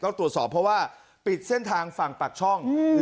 ตรวจสอบเพราะว่าปิดเส้นทางฝั่งปากช่อง